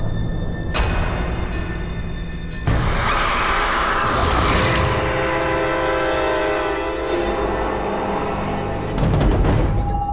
kak adam nanti tidur dulu dong